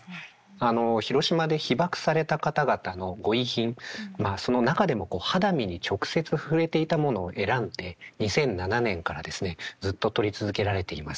あの広島で被爆された方々のご遺品まあその中でも肌身に直接触れていたものを選んで２００７年からですねずっと撮り続けられています。